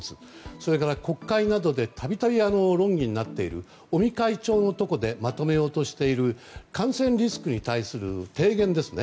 それから、国会などでたびたび論議になっている尾身会長のところでまとめようとしている感染リスクに対する提言ですね。